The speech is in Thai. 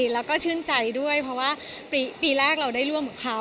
แล้วก็ชื่นใจด้วยเพราะว่าปีแรกเราได้ร่วมกับเขา